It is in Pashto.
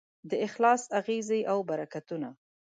د اخلاص اغېزې او برکتونه